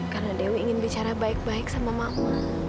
karena dewi ingin bicara baik baik sama mama